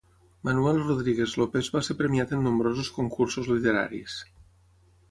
Manuel Rodríguez López va ser premiat en nombrosos concursos literaris.